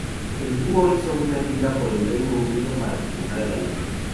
El dúo hizo una gira por el Reino Unido para presentar el álbum.